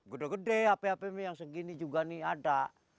gede gede api api yang segini juga nih ada